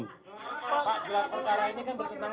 pak gelar perkara ini kan berkenangan ya pak ya